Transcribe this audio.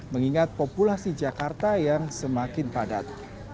mengingat populasi jakarta yang semakin padat